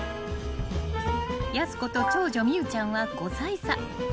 ［やす子と長女心結ちゃんは５歳差］